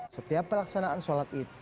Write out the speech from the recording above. setiap pelaksanaan sholat id